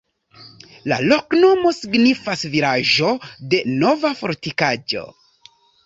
La loknomo signifas: vilaĝo de nova fortikaĵo.